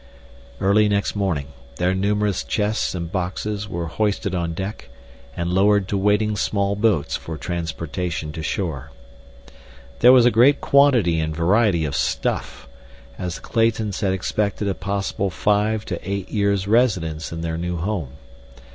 Early next morning their numerous chests and boxes were hoisted on deck and lowered to waiting small boats for transportation to shore. There was a great quantity and variety of stuff, as the Claytons had expected a possible five to eight years' residence in their new home.